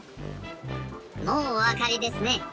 もうおわかりですね。